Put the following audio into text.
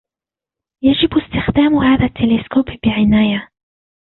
يجب استخدام هذا التلسكوب بعناية.